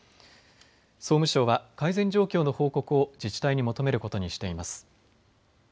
総務省は改善状況の報告を自治体に求めることにしています。